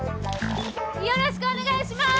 よろしくお願いします！